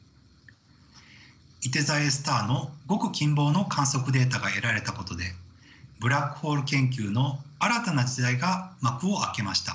いて座Ａスターのごく近傍の観測データが得られたことでブラックホール研究の新たな時代が幕を開けました。